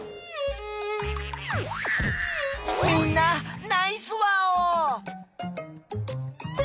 みんなナイスワオ！